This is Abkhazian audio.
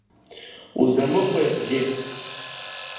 Узамыҳәеи акгьы?